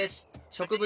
植物